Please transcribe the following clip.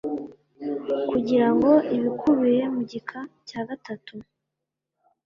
Kugira ngo ibikubiye mu gika cya gatatu